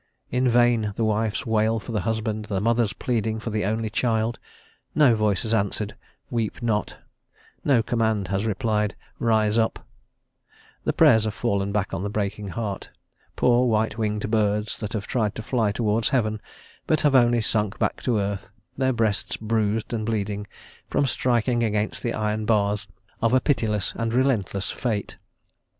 In vain the wife's wail for the husband, the mother's pleading for the only child; no voice has answered "Weep not;" no command has replied, "Rise up;" the Prayers have fallen back on the breaking heart, poor white winged birds that have tried to fly towards heaven, but have only sunk back to earth, their breasts bruised and bleeding from striking against the iron bars of a pitiless and relentless fate.